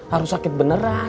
harus sakit beneran